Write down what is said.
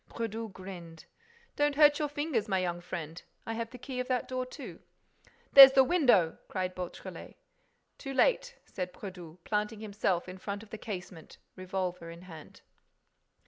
Brédoux grinned: "Don't hurt your fingers, my young friend. I have the key of that door, too." "There's the window!" cried Beautrelet. "Too late," said Brédoux, planting himself in front of the casement, revolver in hand.